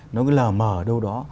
nó cứ lờ mờ đâu đó